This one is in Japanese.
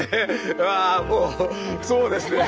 うわもうそうですね